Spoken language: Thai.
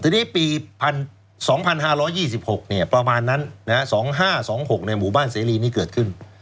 ทีนี้ปี๒๕๒๖ประมาณนั้น๒๕๒๖ในหมู่บ้านเสรีนี้เกิดขึ้น